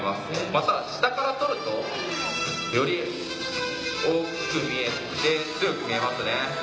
また下から撮るとより大きく見えて強く見えますね。